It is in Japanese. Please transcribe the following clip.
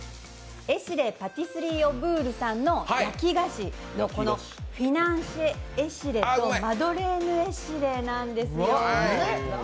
エシレ・パティスリーオブールさんの焼き菓子のフィナンシェ・エシレとマドレーヌ・エシレなんですよ。